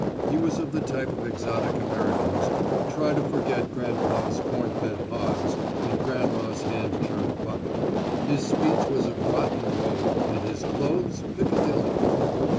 He was of the type of exotic Americans who try to forget grandpa's corn fed hogs and grandma's hand churned butter. His speech was of Rotten Row and his clothes Piccadilly.